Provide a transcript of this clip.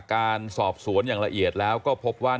การสอบสวนอย่างละเอียดแล้วก็พบว่า